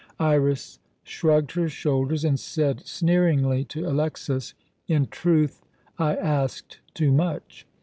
Iras shrugged her shoulders and said, sneeringly, to Alexas: "In truth, I asked too much.